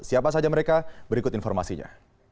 siapa saja mereka berikut informasinya